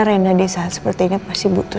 karena renna di saat seperti ini pasti butuh